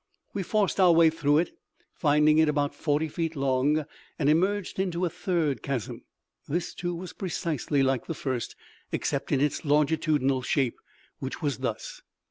We forced our way through it, finding it about forty feet long, and emerged into a third chasm. This, too, was precisely like the first, except in its longitudinal shape, which was thus.